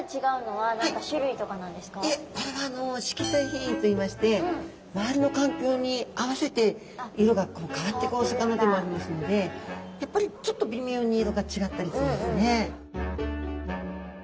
いえこれは色彩変異といいまして周りの環境に合わせて色が変わっていくお魚でもありますのでやっぱりちょっと微妙に色が違ったりするんですね。